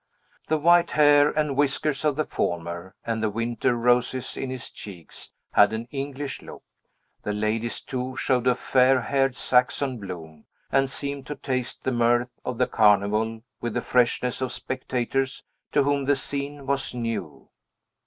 The white hair and whiskers of the former, and the winter roses in his cheeks, had an English look; the ladies, too, showed a fair haired Saxon bloom, and seemed to taste the mirth of the Carnival with the freshness of spectators to whom the scene was new.